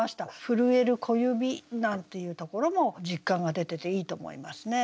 「震える子指」なんていうところも実感が出てていいと思いますね。